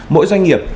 mỗi doanh nghiệp